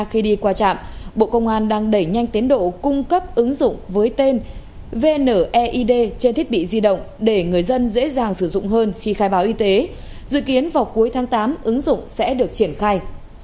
khi đi qua trạm bộ công an đang đẩy nhanh tiến độ cung cấp ứng dụng với tên vneid trên thiết bị di động để người dân dễ dàng sử dụng hơn khi khai báo y tế dự kiến vào cuối tháng tám ứng dụng sẽ được triển khai